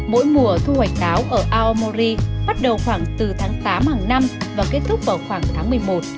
mỗi mùa thu hoạch náo ở aomori bắt đầu khoảng từ tháng tám hàng năm và kết thúc vào khoảng tháng một mươi một